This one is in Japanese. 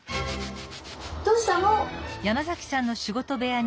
どうしたの？